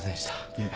いえ。